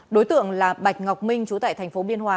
đối tượng là bạch ngọc minh trú tại thành phố biên hòa